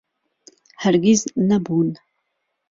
هەرگیز نەبوون.